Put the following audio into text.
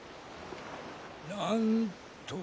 ななんと。